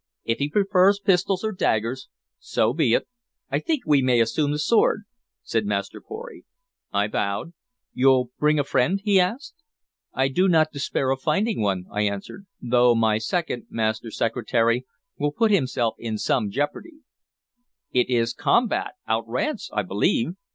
If he prefers pistols or daggers, so be it." "I think we may assume the sword," said Master Pory. I bowed. "You'll bring a friend?" he asked. "I do not despair of finding one," I answered, "though my second, Master Secretary, will put himself in some jeopardy." "It is combat... outrance, I believe?"